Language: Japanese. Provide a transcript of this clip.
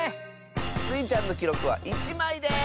スイちゃんのきろくは１まいです！